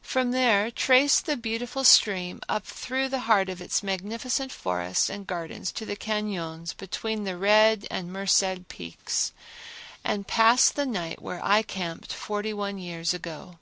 From there trace the beautiful stream up through the heart of its magnificent forests and gardens to the cañons between the Red and Merced Peaks, and pass the night where I camped forty one years ago.